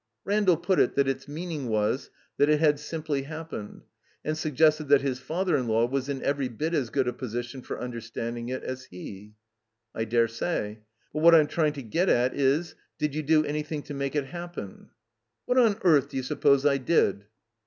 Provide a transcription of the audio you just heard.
Randall put it that its meaning was that it had simply happened, and suggested that his father in law was in every bit as good a position for under standing it as he. "I dare say. But what I'm trying to get at is — did you do anjrthing to make it happen?" What on earth do you suppose I did?"